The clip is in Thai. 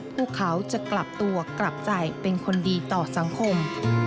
พวกเขาจะกลับตัวกลับใจเป็นคนดีต่อสังคม